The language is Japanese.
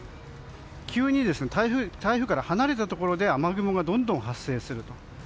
急に、台風から離れたところで雨雲がどんどん発生すると。